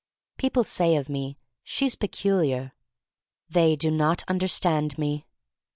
People say of me, "She's peculiar." They do not understand me.